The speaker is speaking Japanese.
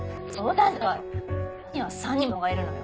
私には３人も子どもがいるのよ。